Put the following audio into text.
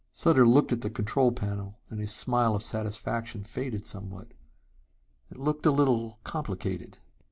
Sutter looked at the control panel and his smile of satisfaction faded somewhat. It looked a little complicated....